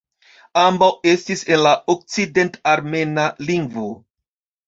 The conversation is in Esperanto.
Ambaŭ estis en la okcident-armena lingvo.